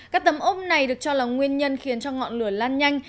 các tấm ốp này được cho là nguyên nhân khiến cho ngọn lửa lan nhanh